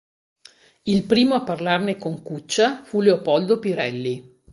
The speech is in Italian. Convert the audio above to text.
Il primo a parlarne con Cuccia fu Leopoldo Pirelli.